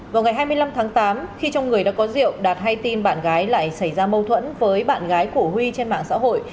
vào ngày hai mươi năm tháng tám khi trong người đã có rượu đạt hay tin bạn gái lại xảy ra mâu thuẫn với bạn gái của huy trên mạng xã hội